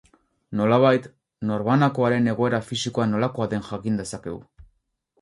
Nolabait, norbanakoaren egoera fisikoa nolakoa den jakin dezakegu.